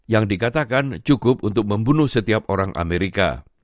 yang dikatakan cukup untuk membunuh setiap orang amerika